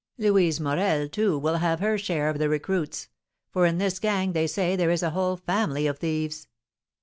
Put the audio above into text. "Louise Morel, too, will have her share of the recruits; for in this gang, they say, there is a whole family of thieves."